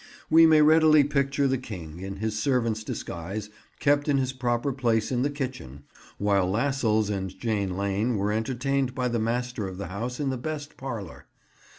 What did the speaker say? We may readily picture the King, in his servant's disguise, kept in his proper place in the kitchen, while Lassels and Jane Lane were entertained by the master of the house in the best parlour.